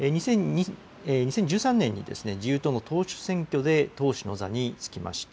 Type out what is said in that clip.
２０１３年に自由党の党首選挙で党首の座に就きました。